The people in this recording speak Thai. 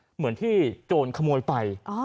เหมือนที่โจรขโมยไป